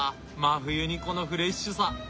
真冬にこのフレッシュさ！